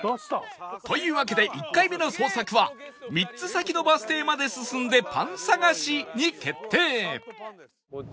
というわけで１回目の捜索は「３つ先のバス停まで進んでパン探し」に決定